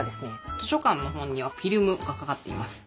図書かんのほんにはフィルムがかかっています。